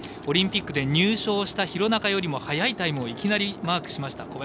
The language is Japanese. オリンピックで入賞した廣中よりも早いタイムをいきなりマークしました。